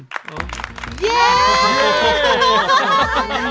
เย้